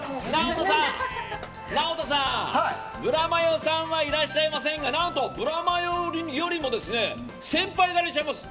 ＮＡＯＴＯさん、ブラマヨさんはいらっしゃいませんが何と、ブラマヨよりも先輩がいらっしゃいます。